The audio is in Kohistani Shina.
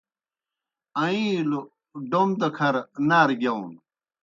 آئِین٘لوْ ڈوْم دہ کھرہ نارہ گِیاؤن۔